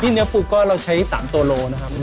เนื้อปูก็เราใช้๓ตัวโลนะครับ